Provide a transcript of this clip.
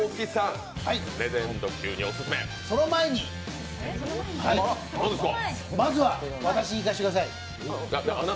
その前に、まずは、私にいかせてください。